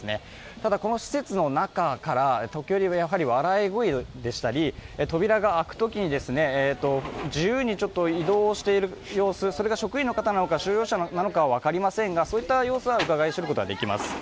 ただ、この施設の中から時折笑い声でしたり、扉が開くときに、自由に移動している様子、それが職員の方なのか収容者なのかは分かりませんがそういった様子はうかがい知ることはできます。